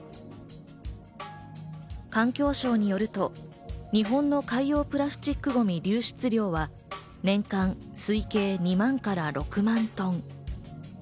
環境省によると日本の海洋プラスチックゴミ流出量は年間推計２万から６万トン。